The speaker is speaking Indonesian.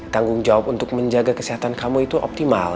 tanggung jawab untuk menjaga kesehatan kamu itu optimal